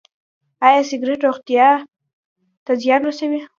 ایا سګرټ روغتیا ته زیان رسوي؟